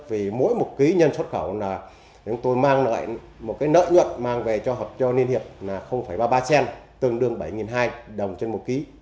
vì mỗi một ký nhân xuất khẩu là chúng tôi mang lại một cái nợ nhuận mang về cho hợp cho liên hiệp là ba mươi ba cent tương đương bảy hai trăm linh đồng trên một ký